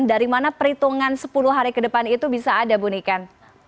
dari mana perhitungan sepuluh hari ke depan itu bisa ada bu niken